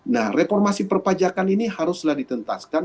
nah reformasi perpajakan ini haruslah ditentaskan